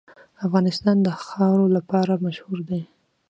افغانستان د خاوره لپاره مشهور دی.